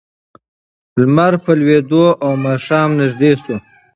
لمر په لوېدو و او ماښام نږدې شو.